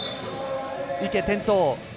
池、転倒。